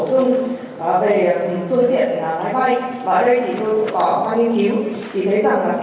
chúng tôi hoàn toàn hợp tình với việc là cảnh sát cơ động cũng như là lực lượng công an nhân dân được bổ sung về phương tiện máy bay